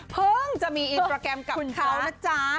เพิ่งจะมีอินโปรแกรมกับเขานะจ๊ะ